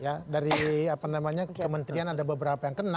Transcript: ya dari apa namanya kementerian ada beberapa yang kena